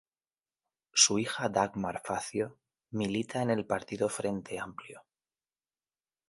Su hija Dagmar Facio milita en el Partido Frente Amplio.